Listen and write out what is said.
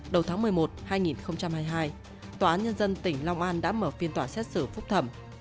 đầu tháng một mươi một hai nghìn hai mươi hai tòa án nhân dân tỉnh long an đã mở phiên tòa xét xử phúc thẩm